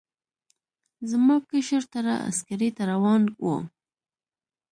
زما کشر تره عسکرۍ ته روان و.